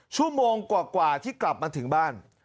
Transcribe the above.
ชั่วโมงกว่าที่กลับมาถึงบ้าน